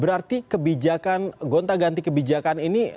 berarti kebijakan gonta ganti kebijakan ini